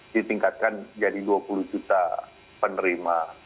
ditingkatkan jadi dua puluh juta penerima